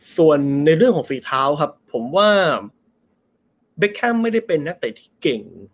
ส่วนในเรื่องของฝีเท้าครับผมว่าเบคแคมไม่ได้เป็นนักเตะที่เก่ง